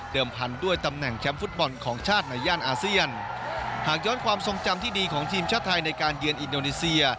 พันธุ์ด้วยตำแหน่งแชมป์ฟุตบอลของชาติในย่านอาเซียนหากย้อนความทรงจำที่ดีของทีมชาติไทยในการเยือนอินโดนีเซีย